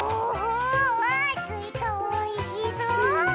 わあすいかおいしそう！